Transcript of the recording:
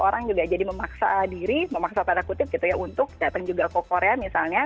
orang juga jadi memaksa diri memaksa tanda kutip gitu ya untuk datang juga ke korea misalnya